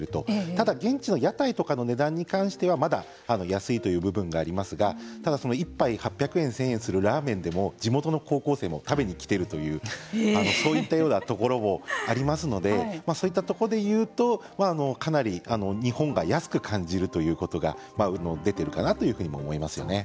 ただ現地の屋台とかの値段に関してはまだ安いという部分がありますがただその１杯、８００円１０００円するラーメンでも地元の高校生も食べに来ているというそういったようなところもありますのでそういったところで言うとかなり日本が安く感じるということが出ているかなと思いますよね。